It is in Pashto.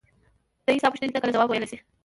دى د تا پوښتنو ته کله ځواب ويلاى شي.